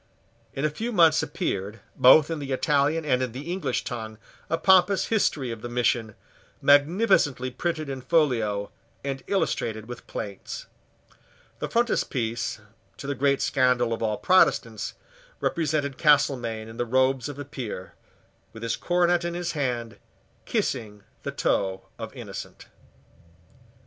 In a few months appeared, both in the Italian and in the English tongue, a pompous history of the mission, magnificently printed in folio, and illustrated with plates. The frontispiece, to the great scandal of all Protestants, represented Castelmaine in the robes of a Peer, with his coronet in his hand, kissing the toe of Innocent.